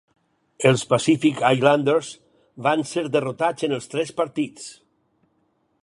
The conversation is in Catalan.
Els Pacific Islanders van ser derrotats en els tres partits.